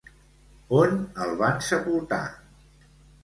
On el van sepultar?